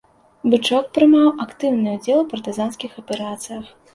Бычок прымаў актыўны ўдзел у партызанскіх аперацыях.